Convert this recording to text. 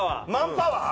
パワー！